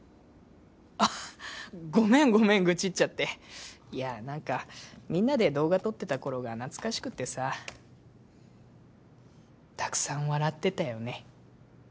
あっごめんごめん愚痴っちゃっていや何かみんなで動画撮ってた頃が懐かしくてさたくさん笑ってたよね